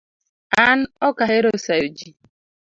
An Ok ahero sayo jii